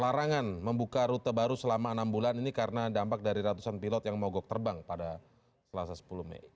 larangan membuka rute baru selama enam bulan ini karena dampak dari ratusan pilot yang mogok terbang pada selasa sepuluh mei